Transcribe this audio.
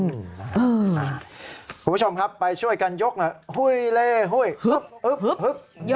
คุณผู้ชมครับไปช่วยกันยกนะหุ้ยเลหุ้ยหึบหึบหึบ